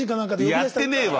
やってねえわ。